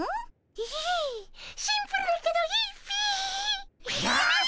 いいシンプルだけどいいっピィ。よし！